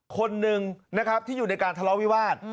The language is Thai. คนหนึ่งนะครับที่อยู่ในการทะเลาะวิวาส